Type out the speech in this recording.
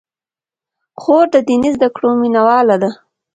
خور د دیني زدکړو مینه واله ده.